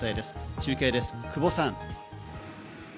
中継です、久保さん。